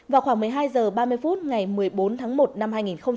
vào khoảng một mươi hai h ba mươi phút ngày một mươi bốn tháng một năm hai nghìn hai mươi